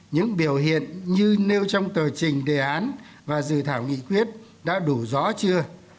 những biểu hiện như nêu trong tờ trình đề án và dự thảo nghị quyết đã đủ rõ chưa